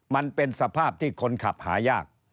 มันเป็นสภาพที่คนขับหายาก